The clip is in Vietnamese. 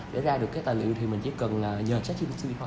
để ra được cái tài liệu thì mình chỉ cần là nhờ chat gpt thôi